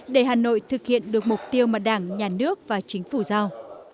để hà nội thực hiện được mục tiêu mà đảng nhà nước và chính phủ giao